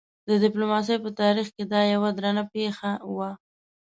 د ډيپلوماسۍ په تاریخ کې دا یوه نادره پېښه وه.